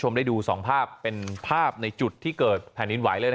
ได้ดู๒ภาพเป็นภาพในจุดที่เกิดแผ่นดินไหวเลย